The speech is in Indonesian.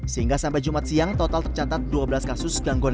sehingga sampai jumat siang total tercatat dua belas kasus gangguan